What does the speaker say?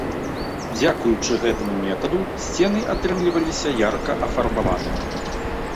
Дзякуючы гэтаму метаду, сцены атрымліваліся ярка афарбаванымі.